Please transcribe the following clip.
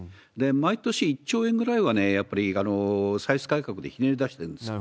毎年１兆円ぐらいはやっぱり歳出改革でひねり出してるんですよ。